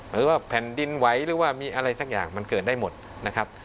หรือว่าแผ่นดินไหวหรือว่ามีอะไรสักอย่างมันเกิดได้หมดนะครับ